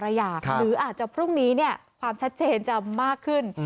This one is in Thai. หรืออาจจะพรุ่งนี้ความชัดเจนจะมากขึ้น